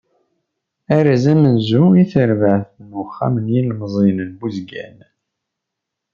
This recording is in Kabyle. Arraz amenzu i terbaɛt n uxxam n yilemẓiyen n Buzgan.